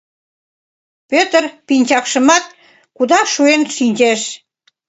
Пӧтыр пинчакшымат кудаш шуэн шинчеш.